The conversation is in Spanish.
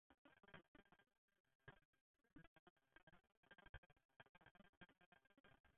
Sin embargo, determinados individuos encuentran maneras de disfrutar de su afición.